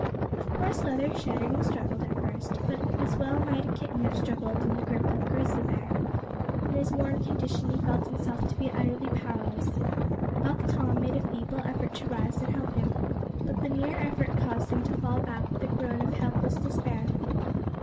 Of course Leather shouted and struggled at first, but as well might a kitten have struggled in the grip of a grizzly bear. In his worn condition he felt himself to be utterly powerless. Buck Tom made a feeble effort to rise and help him, but the mere effort caused him to fall back with a groan of helpless despair.